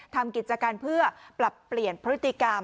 ทำกิจการเพื่อปรับเปลี่ยนพฤติกรรม